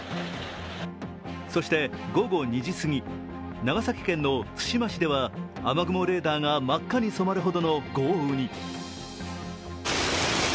そして、午後２時過ぎ、長崎県の対馬市では、雨雲レーダーが真っ赤に染まるほどの豪雨に。